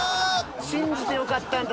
信じてよかったんだ